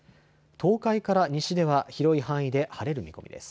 東海から西では広い範囲で晴れる見込みです。